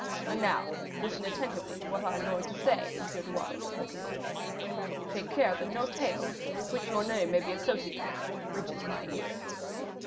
And now, listen attentively to what I am going to say, M. de Wardes, in conclusion. Take care that no tale, with which your name may be associated, reaches my ear."